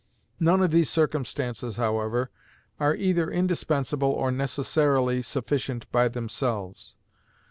None of these circumstances, however, are either indispensable or necessarily sufficient by themselves.